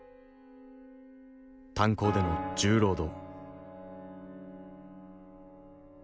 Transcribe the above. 炭鉱での重労働。